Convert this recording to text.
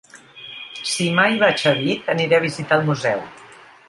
Si mai vaig a Vic, aniré a visitar el museu.